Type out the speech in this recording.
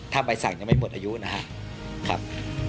ถ้าใบสั่งยังไม่หมดอายุนะครับ